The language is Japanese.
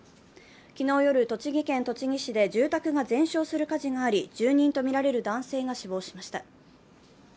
昨日夜、栃木県栃木市で住宅が全焼する火事があり住人とみられる男性が死亡しました。